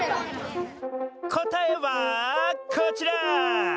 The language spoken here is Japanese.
こたえはこちら！